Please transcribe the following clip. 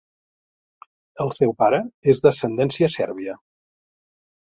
El seu pare és d'ascendència sèrbia.